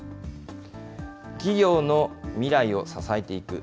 企業の未来を支えていく。